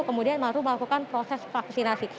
kemudian baru melakukan proses vaksinasi